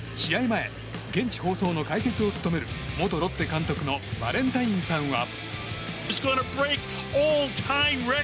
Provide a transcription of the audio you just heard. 前、現地放送の解説を務める元ロッテ監督のバレンタインさんは。